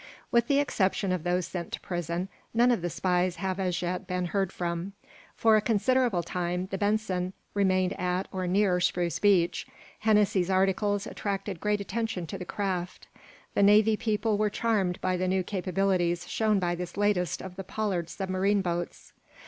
With the exception of those sent to prison none of the spies have as yet been heard from. For a considerable time the "Benson" remained at, or near, Spruce Beach. Hennessy's articles attracted great attention to the craft. The Navy people were charmed by the new capabilities shown by this latest of the Pollard submarine boats.